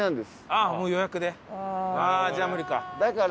ああじゃあ無理か。